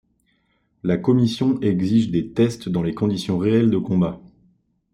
La commission exige des tests dans les conditions réelles de combat.